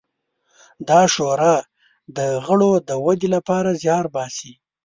دا شورا د غړو د ودې لپاره زیار باسي.